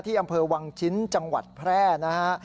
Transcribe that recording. อำเภอวังชิ้นจังหวัดแพร่นะฮะ